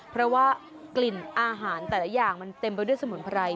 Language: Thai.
เพราะว่ากลิ่นอาหารแต่ละอย่างมันเต็มไปด้วยสมุนไพร